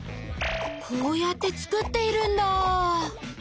こうやって作っているんだ！